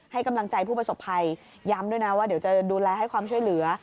ให้กำลังใจผู้ประสบภัยย้ำด้วยนะว่าเดี๋ยวจะดูแลให้ความช่วยเหลือ